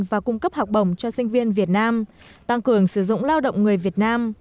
và cung cấp học bổng cho sinh viên việt nam tăng cường sử dụng lao động người việt nam